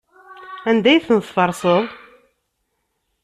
Anda ay ten-tferseḍ?